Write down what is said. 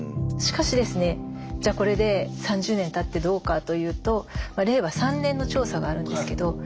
しかしですねじゃあこれで３０年たってどうかというと令和３年の調査があるんですけど。